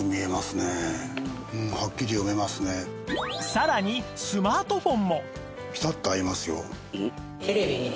さらにスマートフォンも